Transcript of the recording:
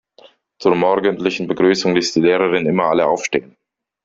Zur morgendlichen Begrüßung ließ die Lehrerin immer alle aufstehen.